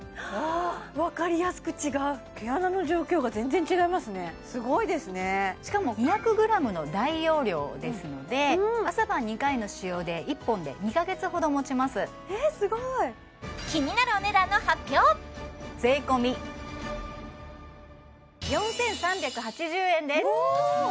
あわかりやすく違う毛穴の状況が全然違いますねすごいですねしかも２００グラムの大容量ですので朝晩２回の使用で１本で２カ月ほどもちます気になる税込４３８０円ですお！